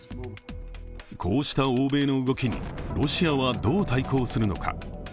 こうした欧米の動きにロシアはどう対抗するのか。